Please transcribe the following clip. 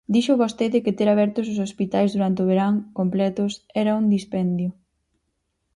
Dixo vostede que ter abertos os hospitais durante o verán –completos– era un dispendio.